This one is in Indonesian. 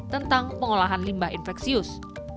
tentang pengolahan limbah infeksius